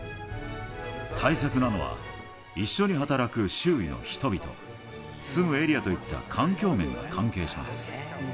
大切なのは、一緒に働く周囲の人々、住むエリアといった環境面が関係します。